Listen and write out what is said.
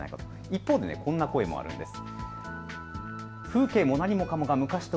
一方でこんな声もあるんです。